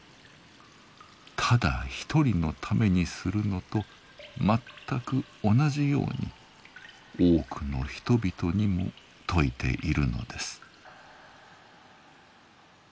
ただ一人のためにするのとまったく同じように多くの人々にも説いているのです。